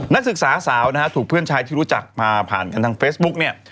นักศึกษาสาวนะฮะถูกเพื่อนชายที่รู้จักมาผ่านกันทางเฟซบุ๊กเนี่ย